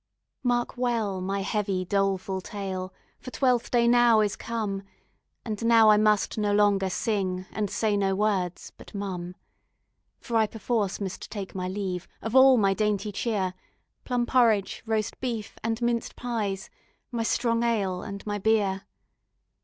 Mark well my heavy, doleful tale, For Twelfth day now is come, And now I must no longer sing, And say no words but mum; For I perforce must take my leave Of all my dainty cheer, Plum porridge, roast beef, and minced pies, My strong ale and my beer.